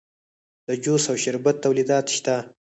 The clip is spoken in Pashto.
د جوس او شربت تولیدات شته